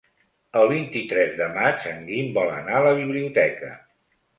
El vint-i-tres de maig en Guim vol anar a la biblioteca.